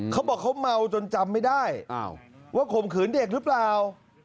เขาบอกเขาเมาจนจำไม่ได้ว่าข่มขืนเด็กหรือเปล่า